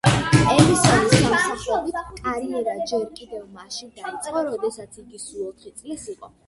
ელისონის სამსახიობო კარიერა ჯერ კიდევ მაშინ დაიწყო, როდესაც იგი სულ ოთხი წლის იყო.